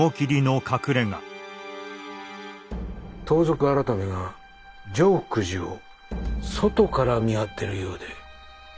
盗賊改が常福寺を外から見張ってるようで。